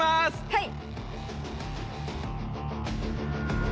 はい！